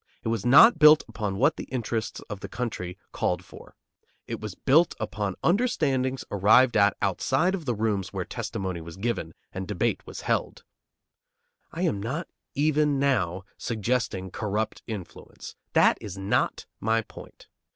It was not built upon what the interests of the country called for. It was built upon understandings arrived at outside of the rooms where testimony was given and debate was held. I am not even now suggesting corrupt influence. That is not my point.